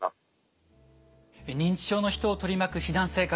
認知症の人を取り巻く避難生活